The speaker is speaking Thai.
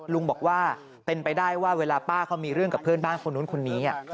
ลุงบอกว่าเป็นไปได้ว่าเวลาป้าเขามีเรื่องกับเพื่อนบ้านคนนู้นคนนี้